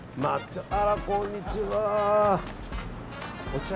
あら、こんにちは。